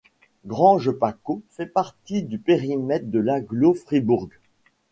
Granges-Paccot fait partie du périmètre de l'Agglo Fribourg.